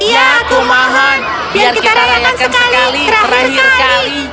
ya kumohon biar kita rayakan sekali terakhir kali